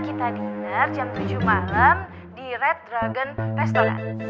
kita diner jam tujuh malam di red dragon restaurant